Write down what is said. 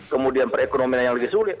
kemudian perekonomian yang lebih sulit